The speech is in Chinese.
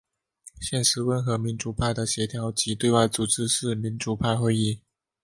现时温和民主派的协调及对外组织是民主派会议。